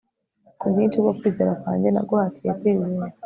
kubwinshi bwo kwizera kwanjye naguhatiye kwizera